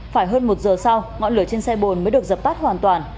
phải hơn một giờ sau ngọn lửa trên xe bồn mới được dập tắt hoàn toàn